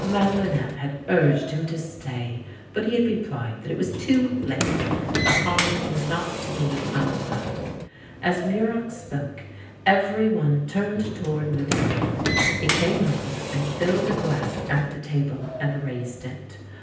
MadeHnette had urged him to stay, but he had repHed that it was too late. The harm was not to be undone. As Muroc spoke, every one turned toward Medal lion. He came over and filled a glass at the table and raised it.